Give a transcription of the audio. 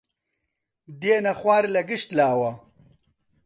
دێنە خوار لە گشت لاوە